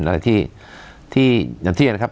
อะไรที่อย่างที่นะครับ